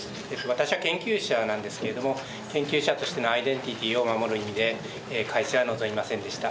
私は研究者なんですけれども研究者としてのアイデンティティーを守る意味で改姓は望みませんでした。